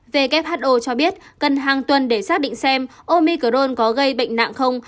who cho biết cần hàng tuần để xác định xem omicrone có gây bệnh nặng không